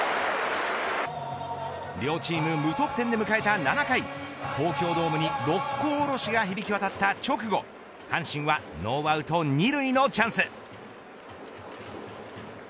両チーム無得点で迎えた７回東京ドームに六甲おろしが響き渡った直後阪神はノーアウト２塁のチャンス。